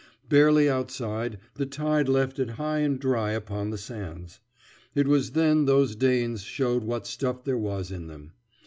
Barely outside, the tide left it high and dry upon the sands. It was then those Danes showed what stuff there was in them.